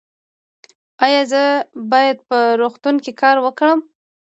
ایا زه باید په روغتون کې کار وکړم؟